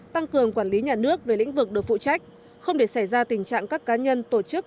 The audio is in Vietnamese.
tăng cường quản lý nhà nước về lĩnh vực được phụ trách không để xảy ra tình trạng các cá nhân tổ chức